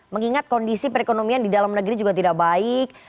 mengingat kondisi perekonomian di dalam negeri juga tidak baik